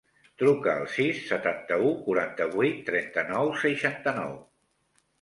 Truca al sis, setanta-u, quaranta-vuit, trenta-nou, seixanta-nou.